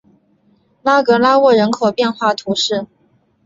拉格拉沃人口变化图示